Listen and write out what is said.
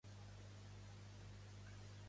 Quins elements simbòlics portava Fides?